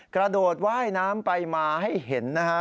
กระโดดว่ายน้ำไปมาให้เห็นนะฮะ